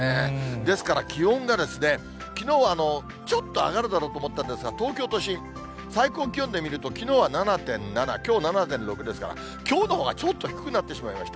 ですから、気温が、きのうはちょっと上がるだろうと思ったんですが、東京都心、最高気温で見ると、きのうは７．７、きょう７．６ですから、きょうのほうがちょっと低くなってしまいました。